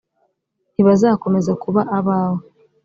ntibazakomeza kuba abawe .